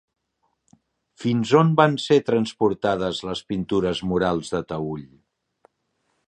Fins on van ser transportades les pintures murals de Taüll?